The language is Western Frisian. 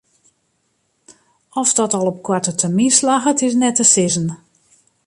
Oft dat al op koarte termyn slagget is net te sizzen.